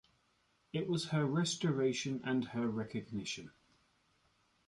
It was her restoration and her recognition.